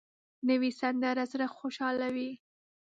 نوې سندره زړه خوشحالوي